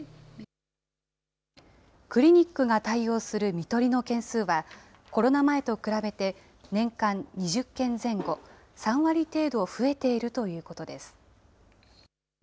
クリニックが対応するみとりの件数は、コロナ前と比べて年間２０件前後、３割程度増えているということです。